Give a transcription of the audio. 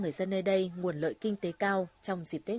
với chất lượng tốt lá rong có thể được tạo ra trong những năm trước